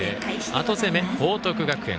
後攻め、報徳学園。